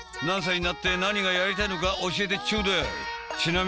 何歳になって何がやりたいのか教えてちょうだい。